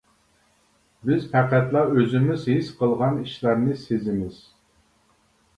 بىز پەقەتلا ئۆزىمىز ھېس قىلغان ئىشلارنى سېزىمىز.